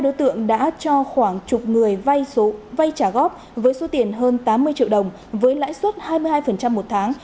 đối tượng đã cho khoảng chục người vay trả góp với số tiền hơn tám mươi triệu đồng với lãi suất hai mươi hai một tháng